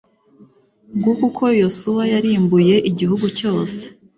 Nguko uko Yosuwa yarimbuye igihugu cyose